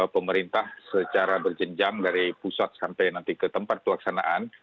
pemerintah secara berjenjang dari pusat sampai nanti ke tempat pelaksanaan